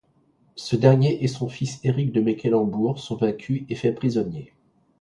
Ce dernier et son fils Éric de Mecklembourg sont vaincus et faits prisonniers.